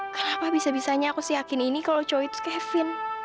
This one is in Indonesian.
kenapa bisa bisanya aku sih yakin ini kalau cowok itu kevin